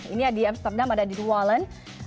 ini di amsterdam ada di new holland